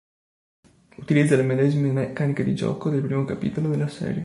Utilizza le medesime meccaniche di gioco del primo capitolo della serie.